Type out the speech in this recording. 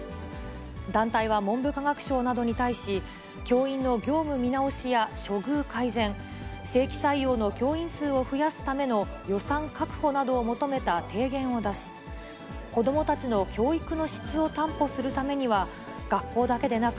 団体は文部科学省などに対し、教員の業務見直しや処遇改善、正規採用の教員数を増やすための予算確保などを求めた提言を出し、子どもたちの教育の質を担保するためには、学校だけでなく、